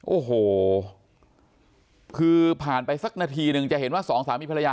โอ้โหคือผ่านไปสักนาทีหนึ่งจะเห็นว่าสองสามีภรรยา